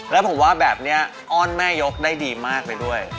แล้วผมว่าแบบนี้อ้อนแม่ยกได้ดีมากไปด้วย